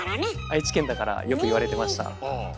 愛知県だからよく言われてました。